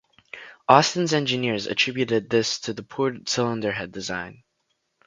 Austin's engineers attributed this to the poor cylinder head design.